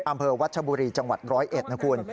อำเภอวัชบุรีจังหวัด๑๐๑นะคุณ